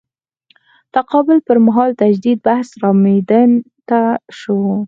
تقابل پر مهال تجدید بحث رامیدان ته شو.